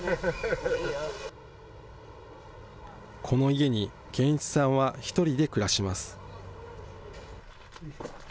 この家に堅一さんは１人で暮らします。